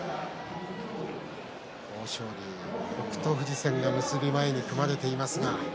豊昇龍と北勝富士戦が結び前に組まれています。